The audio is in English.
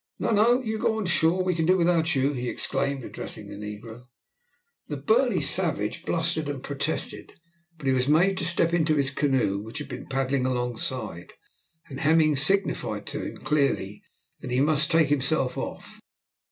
"No, no, you go on shore; we can do without you," he exclaimed, addressing the negro. The burly savage blustered and protested, but he was made to step into his canoe, which had been paddling alongside, and Hemming signified to him clearly that he must take himself off.